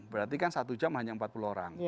berarti kan satu jam hanya empat puluh orang